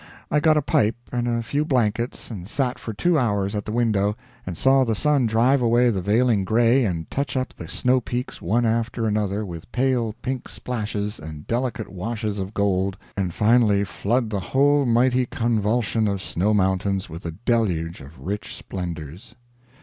I got a pipe and a few blankets and sat for two hours at the window, and saw the sun drive away the veiling gray and touch up the snow peaks one after another with pale pink splashes and delicate washes of gold, and finally flood the whole mighty convulsion of snow mountains with a deluge of rich splendors.